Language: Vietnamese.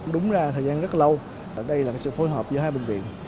đúng ra thời gian rất lâu đây là sự phối hợp giữa hai bệnh viện